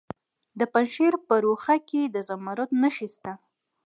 د پنجشیر په روخه کې د زمرد نښې شته.